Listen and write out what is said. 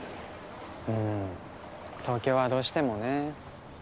うん東京はどうしてもね。